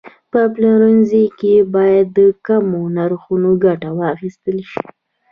په پلورنځي کې باید د کمو نرخونو ګټه واخیستل شي.